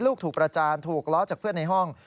ถูกประจานถูกล้อจากเพื่อนในห้อง